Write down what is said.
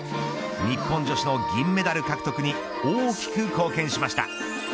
日本女子の銀メダル獲得に大きく貢献しました。